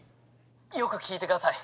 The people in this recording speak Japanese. よく聞いてください。